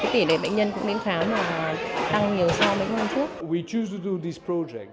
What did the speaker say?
tỉ lệ bệnh nhân cũng đến khám